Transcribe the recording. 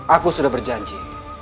aku sudah berjanji